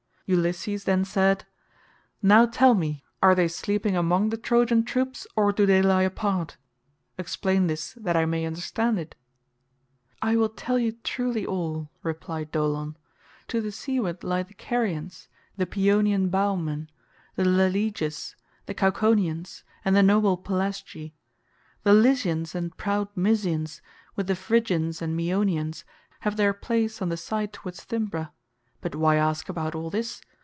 Ulysses then said, "Now tell me; are they sleeping among the Trojan troops, or do they lie apart? Explain this that I may understand it." "I will tell you truly all," replied Dolon. "To the seaward lie the Carians, the Paeonian bowmen, the Leleges, the Cauconians, and the noble Pelasgi. The Lycians and proud Mysians, with the Phrygians and Meonians, have their place on the side towards Thymbra; but why ask about all this?